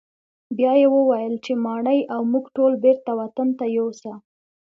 بیا یې وویل چې ماڼۍ او موږ ټول بیرته وطن ته یوسه.